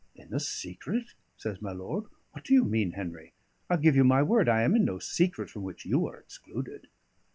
"In the secret?" says my lord. "What do you mean, Henry? I give you my word, I am in no secret from which you are excluded."